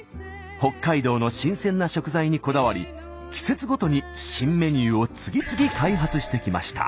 北海道の新鮮な食材にこだわり季節ごとに新メニューを次々開発してきました。